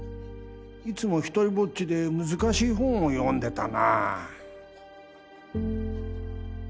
いつも独りぼっちで難しい本を読んでたなぁ。